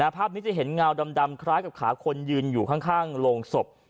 ภาพนี้จะเห็นเงาดำคล้ายกับขาคนยืนอยู่ข้างโรงศพ